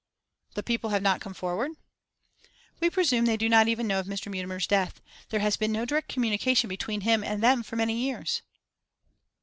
'The people have not come forward?' 'We presume they do not even know of Mr. Mutimer's death. There has been no direct communication between him and them for many years.